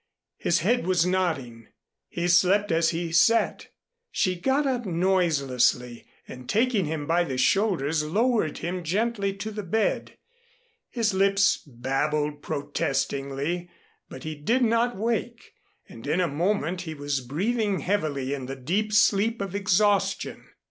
His head was nodding. He slept as he sat. She got up noiselessly and taking him by the shoulders lowered him gently to the bed. His lips babbled protestingly, but he did not wake, and in a moment he was breathing heavily in the deep sleep of exhaustion.